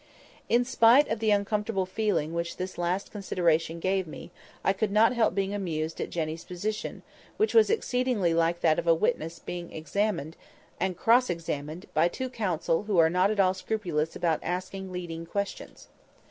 In spite of the uncomfortable feeling which this last consideration gave me, I could not help being amused at Jenny's position, which was exceedingly like that of a witness being examined and cross examined by two counsel who are not at all scrupulous about asking leading questions.